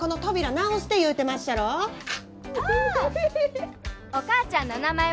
お母ちゃんの名前は花田ツヤ。